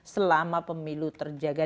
selama pemilu terjaga